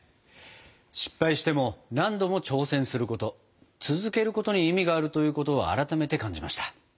失敗しても何度も挑戦すること続けることに意味があるということを改めて感じました。